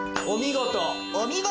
お見事。